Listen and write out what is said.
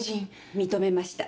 認めました。